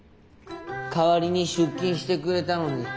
代わりに出勤してくれたので。